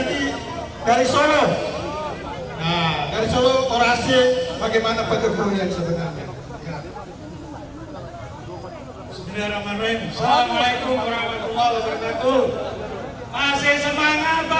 dijasah karena umur sudah lewat umur lewat